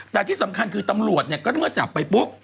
แต่ที่สำคัญคือตำรวจเนี่ยก็เมื่อจับไปปุ๊บ